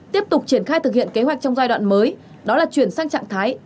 tiếp tục triển khai thực hiện kế hoạch trong giai đoạn mới đó là chuyển sang trạng thái